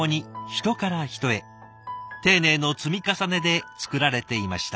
丁寧の積み重ねで作られていました。